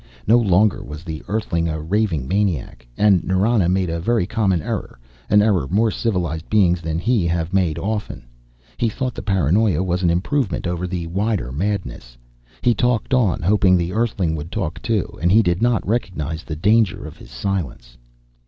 No longer was the Earthling a raving maniac, and Nrana made a very common error, an error more civilized beings than he have often made. He thought the paranoia was an improvement over the wider madness. He talked on, hoping the Earthling would talk too, and he did not recognize the danger of his silence.